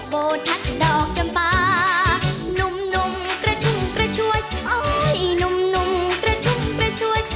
มันกลับมา